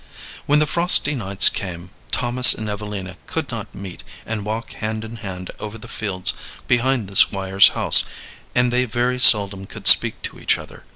When the frosty nights came Thomas and Evelina could not meet and walk hand in hand over the fields behind the Squire's house, and they very seldom could speak to each other.